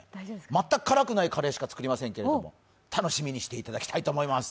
全く辛くないカレーしか作りませんけど楽しみにしていただきたいと思います。